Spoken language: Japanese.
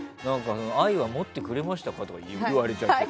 愛は持ってくれましたか？とか言われちゃって。